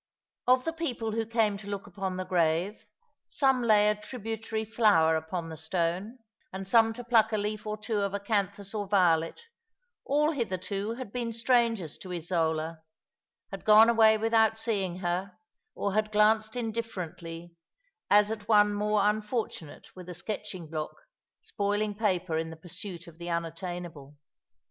Of the people who came to look upon the grave, some to lay a tributary flower upon the stone, and some to pluck a leaf or two of acanthus or violet, all hitherto had been strangers to Isola, had gone away without seeing her, or had glanced indifferently, as at one more unfortunate with a sketching block, spoiling paper in the pursuit of the un attainable.